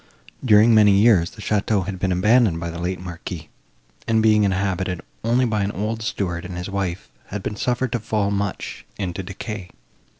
During many years, the château had been abandoned by the late Marquis, and, being inhabited only by an old steward and his wife, had been suffered to fall much into decay.